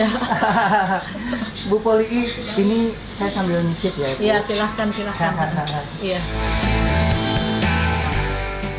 ya silahkan silahkan